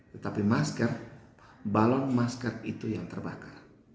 tetapi masker balon masker itu yang terbakar